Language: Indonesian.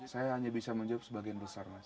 saya hanya bisa menjawab sebagian besar mas